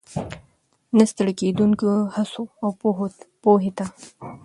، نه ستړې کېدونکو هڅو، او پوهې ته